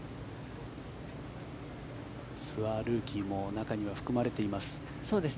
ツアールーキーも中には含まれています。